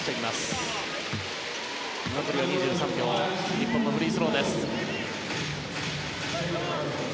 日本、フリースローです。